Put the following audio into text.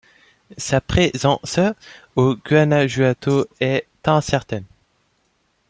Sa présence au Guanajuato est incertaine.